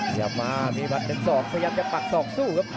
พยายามมามีผัดเป็น๒พยายามจะปัด๒สู้ครับ